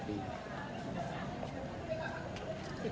๑๐ปี